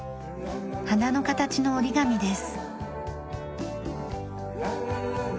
花の形の折り紙です。